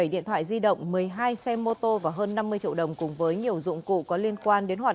một mươi điện thoại di động một mươi hai xe mô tô và hơn năm mươi triệu đồng cùng với nhiều dụng cụ có liên quan đến hoạt